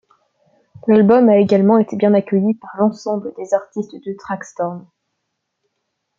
L'album a également été bien accueilli par l'ensemble des artistes de Traxtorm.